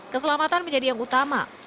keselamatan menjadi yang utama